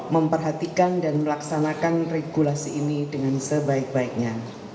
memperhatikan dan melaksanakan regulasi ini dengan sebaik baiknya